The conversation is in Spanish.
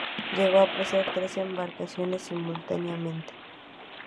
Llegó a poseer tres embarcaciones simultáneamente.